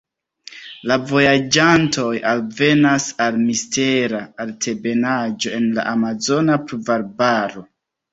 La vojaĝantoj alvenas al mistera altebenaĵo en la amazona pluvarbaro.